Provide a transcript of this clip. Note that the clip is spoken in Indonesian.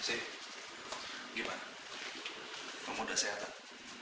masih gimana kamu udah sehat kan